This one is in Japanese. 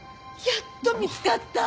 やっと見つかった！